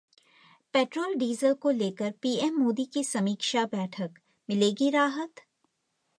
Petrol diesel को लेकर PM Modi की समीक्षा बैठक, मिलेगी राहत?